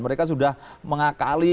mereka sudah mengakali